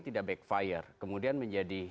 tidak backfire kemudian menjadi